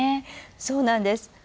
そうなんです。